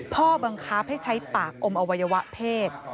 บังคับให้ใช้ปากอมอวัยวะเพศ